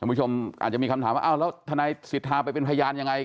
คุณผู้ชมอาจจะมีคำถามว่าอ้าวแล้วทนายสิทธาไปเป็นพยานยังไง